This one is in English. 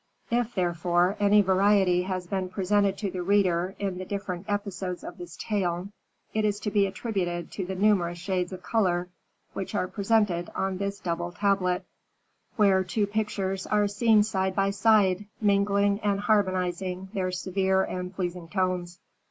If, therefore, any variety has been presented to the reader in the different episodes of this tale, it is to be attributed to the numerous shades of color which are presented on this double tablet, where two pictures are seen side by side, mingling and harmonizing their severe and pleasing tones.